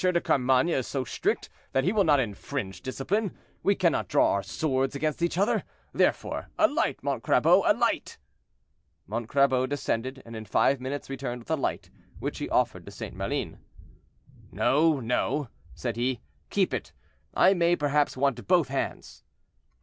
de Carmainges is so strict that he will not infringe discipline; we cannot draw our swords against each other; therefore, a light, Montcrabeau, a light!" Montcrabeau descended, and in five minutes returned with a light, which he offered to St. Maline. "No, no," said he; "keep it; I may, perhaps, want both hands."